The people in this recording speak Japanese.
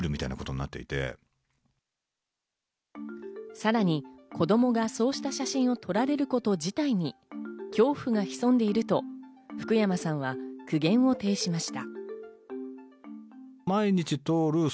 さらに子供がそうした写真を撮られること自体に恐怖が潜んでいると、福山さんは苦言を呈しました。